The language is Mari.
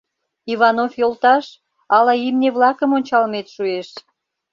— Иванов йолташ, ала имне-влакым ончалмет шуэш?